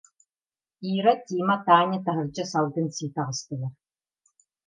Ира, Тима, Таня таһырдьа салгын сии таҕыстылар